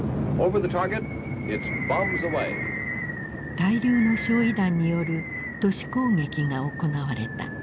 大量の焼い弾による都市攻撃が行われた。